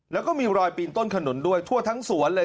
แล้วก็มีรอยปีนต้นขนุนด้วยทั่วทั้งสวนเลย